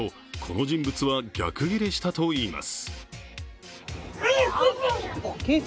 すると、この人物は逆ギレしたといいます。